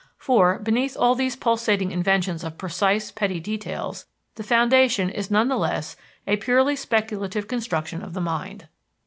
For, beneath all these pulsating inventions of precise, petty details, the foundation is none the less a purely speculative construction of the mind.